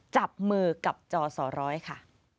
จับมือกับจอสอร้อยค่ะ